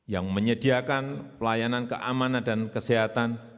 yang menyediakan pelayanan keamanan dan kesehatan